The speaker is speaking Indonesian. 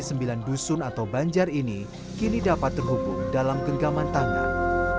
sembilan dusun atau banjar ini kini dapat terhubung dalam genggaman tangan